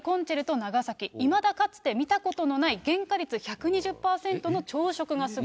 いまだかつて見たことのない原価率１２０％の朝食がすごい。